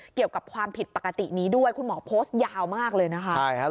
เกี่ยวกับความผิดปกตินี้ด้วยคุณหมอโพสต์ยาวมากเลยนะคะ